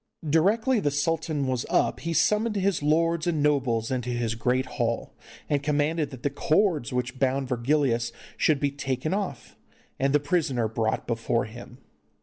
Directly the sultan was up he summoned his lords and nobles into his great hall, and commanded that the cords which bound Virgilius should be taken off, and the prisoner brought before him.